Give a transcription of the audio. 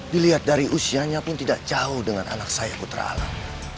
dilihat dari usianya pun tidak jauh dengan anak saya putra alam